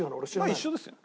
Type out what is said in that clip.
まあ一緒ですよ。